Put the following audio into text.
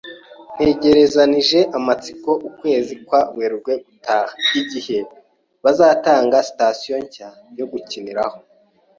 Ntegerezanyije amatsiko ukwezi kwa Werurwe gutaha, igihe bazatangiza Sitasiyo nshya yo gukiniraho .